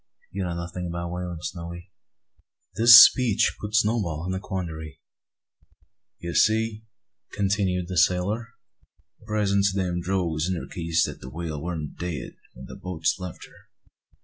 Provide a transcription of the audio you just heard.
You know nothin' o' whalin', Snowy." This speech put Snowball in a quandary. "You see, nigger," continued the sailor, "the presence o' them drogues indercates that the whale warn't dead when the boats left her."